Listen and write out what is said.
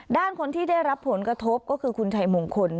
ด้านคนที่ได้รับผลกระทบก็คือคุณชัยมงคล